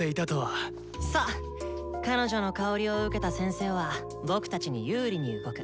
彼女の香りを受けた先生は僕たちに有利に動く。